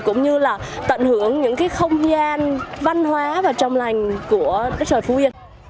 cũng như tận hưởng những không gian văn hóa và trong lành của đất trời phú yên